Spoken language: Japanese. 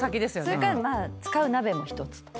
それから使う鍋も１つとか。